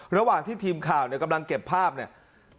ระหว่างที่ทีมข่าวเนี่ยกำลังเก็บภาพเนี่ย